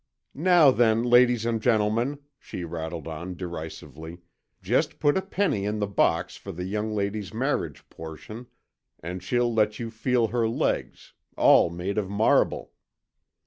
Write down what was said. "Now, then, ladies and gentlemen," she rattled on derisively, "just put a penny in the box for the young lady's marriage portion, and she'll let you feel her legs, all made of marble!"